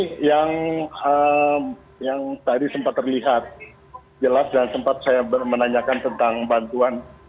ini yang tadi sempat terlihat jelas dan sempat saya menanyakan tentang bantuan